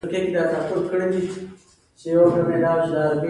د اقتصادي بنسټونو په برخه کې ځیني شباهتونه موجود و.